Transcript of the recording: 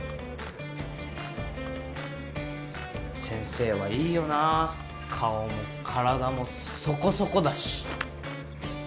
先生はいいよな顔も体もそこそこだし。